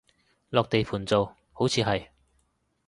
落地盤做，好似係